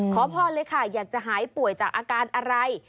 ขอพรเลยค่ะอยากจะหายป่วยจากอาการอะไร